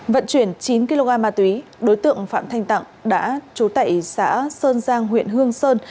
vận chuyển chín kg ma túy đối tượng phạm thanh tặng đã trú tại xã sơn giang huyện hương sơn